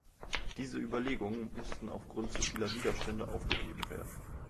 Diese Überlegungen mussten aufgrund zu vieler Widerstände aufgegeben werden.